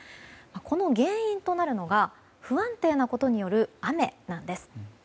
この原因となるのが不安定なことによる雨なんです。